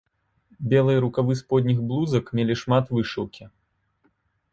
Белыя рукавы сподніх блузак мелі шмат вышыўкі.